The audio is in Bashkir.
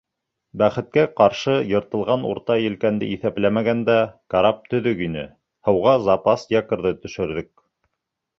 Бәхеткә ҡаршы, йыртылған урта елкәнде иҫәпләмәгәндә, карап төҙөк ине. һыуға запас якорҙы төшөрҙөк.